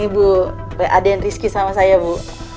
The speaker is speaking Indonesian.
ini bu ada yang riski sama saya bu